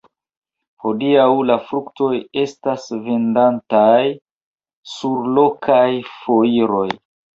Hodiaŭ la fruktoj estas vendataj sur lokaj foiroj.